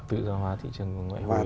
tự do hóa thị trường ngoại hối